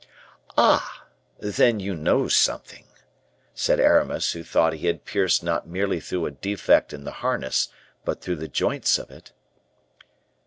"Ah! then you know something," said Aramis, who thought he had pierced not merely through a defect in the harness, but through the joints of it.